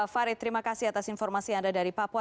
farid terima kasih atas informasi anda dari papua